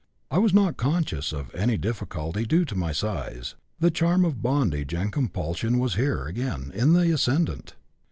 I was not conscious of any difficulty due to my size. The charm of bondage and compulsion was here, again, in the ascendant.